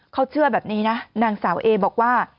เขาเชื่อแบบนี้นะนางสาวเอบอกว่า